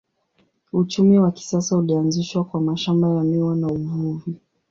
Uchumi wa kisasa ulianzishwa kwa mashamba ya miwa na uvuvi.